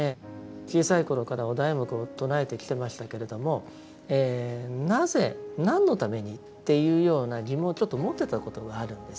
小さい頃からお題目を唱えてきてましたけれどもなぜ何のためにっていうような疑問をちょっと持ってたことがあるんです。